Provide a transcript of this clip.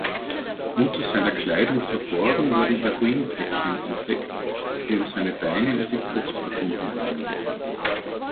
Unter seiner Kleidung verborgen wurden Heroin-Päckchen entdeckt, die um seine Beine und die Brust gebunden waren.